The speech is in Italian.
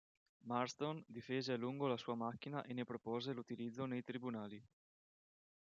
Marston difese a lungo la sua macchina e ne propose l'utilizzo nei tribunali.